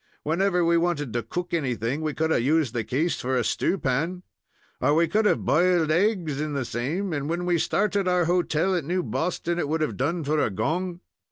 Whenever we wanted to cook anything, we could have used the case for a stew pan, or we could have b'iled eggs in the same, and when we started our hotel at New Boston, it would have done for a gong.